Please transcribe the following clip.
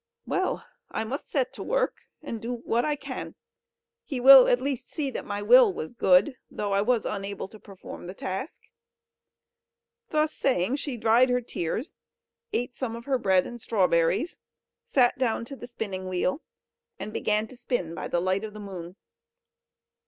Well! I must set to work! and do what I can.... He will at least see that my will was good, though I was unable to perform the task." Thus saying, she dried her tears, ate some of her bread and strawberries, sat down to the spinning wheel, and began to spin by the light of the moon.